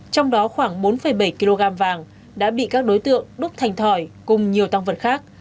trong đó khoảng bốn bảy kg vàng đã bị các đối tượng đúc thành thỏi cùng nhiều tăng vật khác